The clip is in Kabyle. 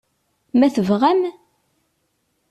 Ma tebɣam?